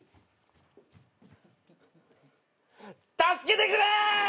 助けてくれ！